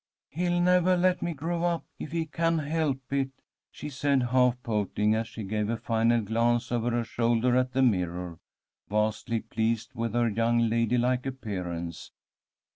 "He'll nevah let me grow up if he can help it," she said, half pouting, as she gave a final glance over her shoulder at the mirror, vastly pleased with her young ladylike appearance.